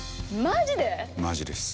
マジです。